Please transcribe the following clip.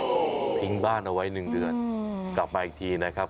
ก็ทิ้งบ้านเอาไว้๑เดือนกลับมาอีกทีนะครับ